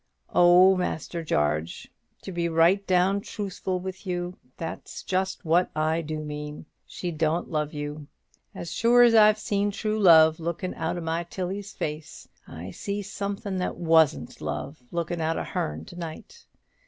"Oh, Master Jarge, to be right down truthful with you, that's just what I do mean. She doan't love you; as sure as I've seen true love lookin' out o' my Tilly's face, I see somethin' that wasn't love lookin' out o' hearn to night.